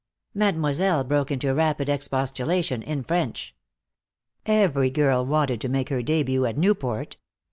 Mademoiselle broke into rapid expostulation, in French. Every girl wanted to make her debut at Newport.